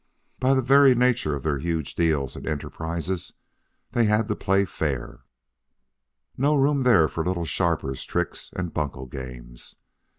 By the very nature of their huge deals and enterprises they had to play fair. No room there for little sharpers' tricks and bunco games.